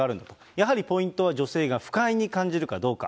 やはりポイントは、女性が不快に感じるかどうか。